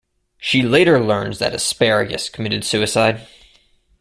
She later learns that Asparagus committed suicide.